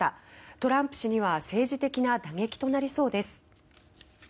トランプ氏には政治的な打撃となりそうです。